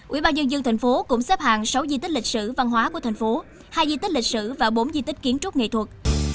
ủy ban nhân dân thành phố cũng xếp hàng sáu di tích lịch sử văn hóa của thành phố hai di tích lịch sử và bốn di tích kiến trúc nghệ thuật